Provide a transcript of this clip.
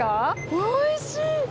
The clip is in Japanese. おいしい！